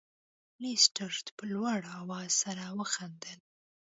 لیسټرډ په لوړ اواز سره وخندل.